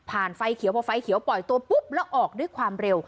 ไฟเขียวพอไฟเขียวปล่อยตัวปุ๊บแล้วออกด้วยความเร็ว